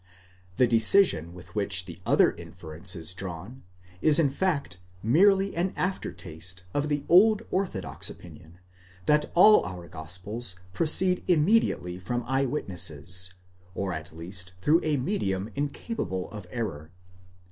® The decision with which the other inference is drawn, is in fact merely an after taste of the old orthodox opinion, that all our gospels proceed immedi ately from eye witnesses, or at least through a medium incapable of error.